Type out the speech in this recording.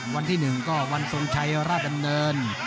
วันที่หนึ่งก็วันสงชัยราดเดิน